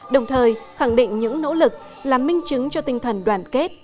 đồng thời khẳng định những nỗ lực là minh chứng cho tinh thần đoàn kết